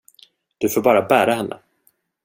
Du får bara bära henne.